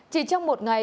chỉ trong một ngày